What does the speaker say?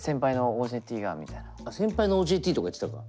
あっ先輩のＯＪＴとか言ってたか。